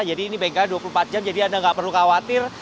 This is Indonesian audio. jadi ini bengkelnya dua puluh empat jam jadi anda nggak perlu khawatir